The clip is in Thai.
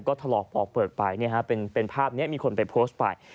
ก็ถลอกออกเปิดไปเป็นภาพนี้มีคนไปโพสต์ไป